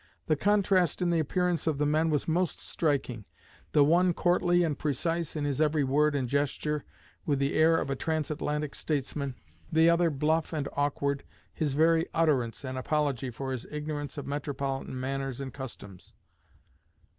The contrast in the appearance of the men was most striking; the one courtly and precise in his every word and gesture, with the air of a trans Atlantic statesman; the other bluff and awkward, his very utterance an apology for his ignorance of metropolitan manners and customs.